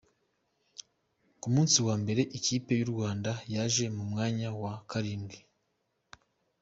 Ku munsi wa mbere ikipe yu Rwanda yaje ku mwanya wa karindwi